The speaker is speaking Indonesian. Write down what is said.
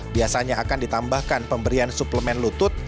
biasanya akan ditambahkan pemberian suplemen lutut